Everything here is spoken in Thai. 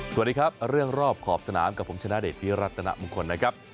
สวัสดีครับเรื่องรอบขอบสนามกับผมชนะเดชพิรัตนมงคลนะครับ